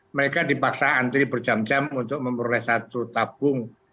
mereka dipaksa antri berjam jam untuk memperoleh satu tabung